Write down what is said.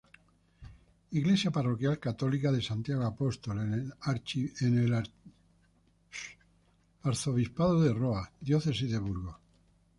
Iglesia parroquial católica de "Santiago Apóstol" en el Arciprestazgo de Roa, diócesis de Burgos.